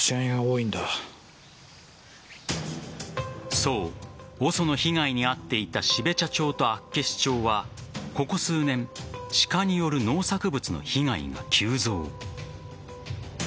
そう、ＯＳＯの被害に遭っていた標茶町と厚岸町はここ数年、鹿による農作物の被害が急増。